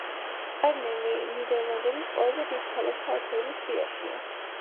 არნემი ნიდერლანდების ყველაზე დიდ ქალაქთა ათეულის სიაშია.